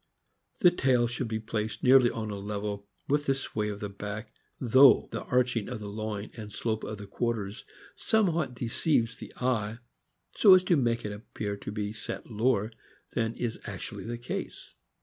The tail should be placed nearly on a level with the sway of the back, though the arching of the loin and the slope of the quarters somewhat deceives the eye, so as to make it appear to be set lower than is actually the case.